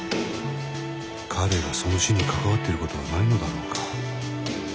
彼がその死に関わっていることはないのだろうか。